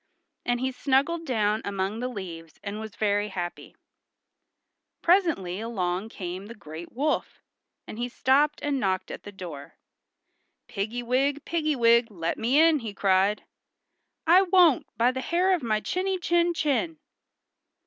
And he snuggled down among the leaves and was very happy. Presently along came the great wolf, and he stopped and knocked at the door. "Piggy wig, piggy wig, let me in!" he cried. "I won't, by the hair of my chinny chin chin!"